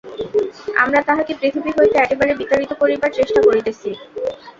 আমরা তাহাকে পৃথিবী হইতে একেবারে বিতাড়িত করিবার চেষ্টা করিতেছি।